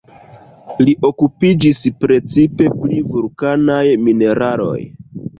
Li okupiĝis precipe pri vulkanaj mineraloj.